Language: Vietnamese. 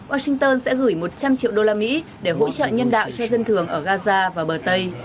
washington sẽ gửi một trăm linh triệu đô la mỹ để hỗ trợ nhân đạo cho dân thường ở gaza và bờ tây